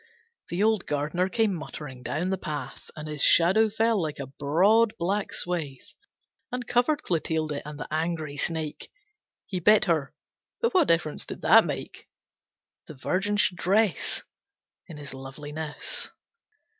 The old gardener came muttering down the path, And his shadow fell like a broad, black swath, And covered Clotilde and the angry snake. He bit her, but what difference did that make! The Virgin should dress In his loveliness.